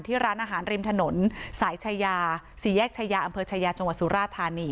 ร้านอาหารริมถนนสายชายาสี่แยกชายาอำเภอชายาจังหวัดสุราธานี